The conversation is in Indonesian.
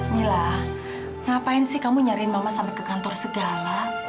mila ngapain sih kamu nyari mama sampai ke kantor segala